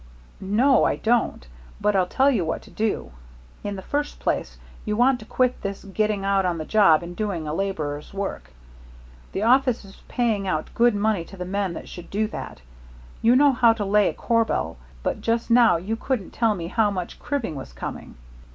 "No, I don't. But I'll tell you what to do. In the first place you want to quit this getting out on the job and doing a laborer's work. The office is paying out good money to the men that should do that. You know how to lay a corbel, but just now you couldn't tell me how much cribbing was coming.